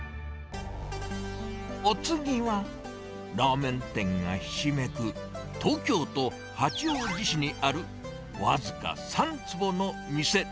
お次は、ラーメン店がひしめく東京都八王子市にある、僅か３坪の店。